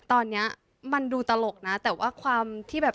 ตอนนี้มันดูตลกนะแต่ว่าความที่แบบ